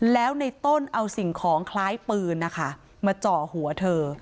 แล้วในต้นเอาสิ่งของคล้ายปืนนะคะมาเจาะหัวเธอ